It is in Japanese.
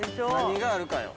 何があるかよ。